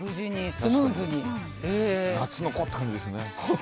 夏の子って感じですね。